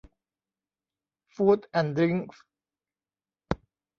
ฟู้ดแอนด์ดริ๊งส์